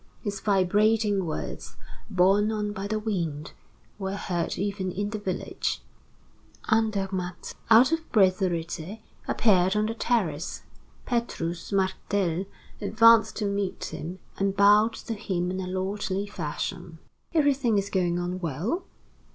His vibrating words, borne on by the wind, were heard even in the village. Andermatt, out of breath already, appeared on the terrace. Petrus Martel advanced to meet him and bowed to him in a lordly fashion. "Everything is going on well?"